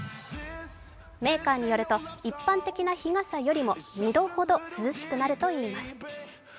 メーカーによると一般的な日傘よりも２度ほど涼しくなるといいます。